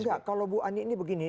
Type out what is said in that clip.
enggak kalau bu ani ini begini